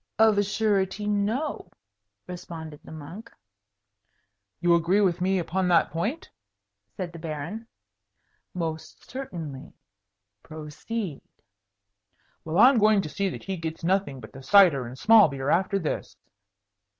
"Of a surety, no!" responded the monk. "You agree with me upon that point?" said the Baron. "Most certainly. Proceed." "Well, I'm going to see that he gets nothing but the cider and small beer after this."